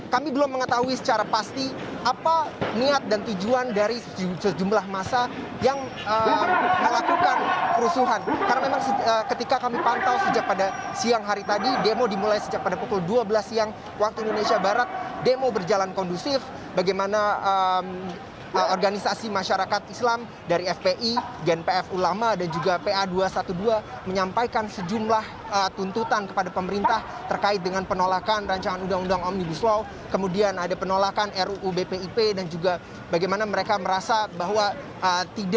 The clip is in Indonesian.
kami belum mengetahui secara pasti apa niat dan tujuan dari sejumlah masa yang berakhir pada pukul setengah empat sore waktu indonesia barat